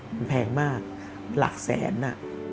มันแพงมากหลักแสน